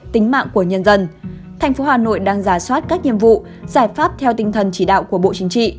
tính mạng của nhân dân thành phố hà nội đang giả soát các nhiệm vụ giải pháp theo tinh thần chỉ đạo của bộ chính trị